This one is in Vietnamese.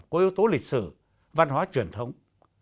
có yếu tố lịch sử văn hóa truyền thống